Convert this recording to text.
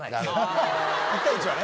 １対１はね。